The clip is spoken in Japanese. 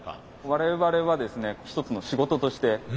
我々はですね一つの仕事として。